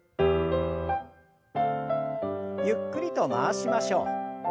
ゆっくりと回しましょう。